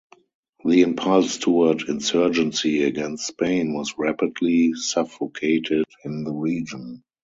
The impulse toward insurgency against Spain was rapidly suffocated in the region.